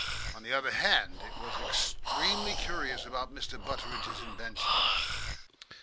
On the other hand it was extremely curious about Mr. Butteridge's invention.